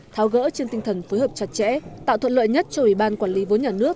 tháo gỡ trên tinh thần phối hợp chặt chẽ tạo thuận lợi nhất cho ủy ban quản lý vốn nhà nước